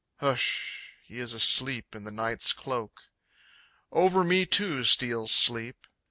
Hsh, he is asleep in the night's cloak. Over me too steals sleep.